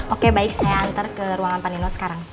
oke baik saya antar ke ruangan pak nino sekarang